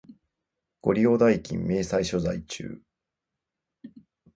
ご利用代金明細書在中